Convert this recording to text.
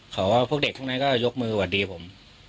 เขาว่าพวกเด็กคุณก็จะยกมือว่าดีผม